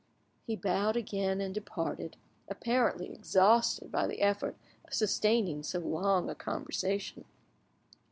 He bowed again and departed, apparently exhausted by the effort of sustaining so long a conversation.